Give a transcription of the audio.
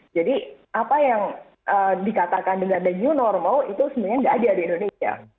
jadi apa yang dikatakan dengan the new normal itu sebenarnya nggak ada di indonesia